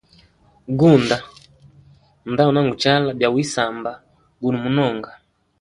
Gunda nda unanguchala bya wisamba guno munonga.